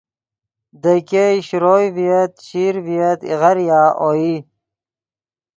دے ګئے شروئے ڤییت چشیر ڤییت ایغاریا اوئی